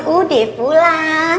tidak ada yang mau bilang